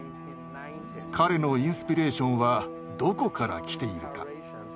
彼のインスピレーションはどこから来ているか。